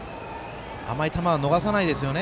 甘い球は逃さないですよね。